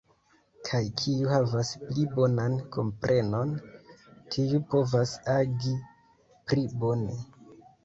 Kaj kiu havas pli bonan komprenon, tiu povas agi pli bone.